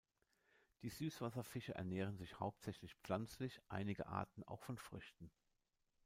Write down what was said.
Die Süßwasserfische ernähren sich hauptsächlich pflanzlich, einige Arten auch von Früchten.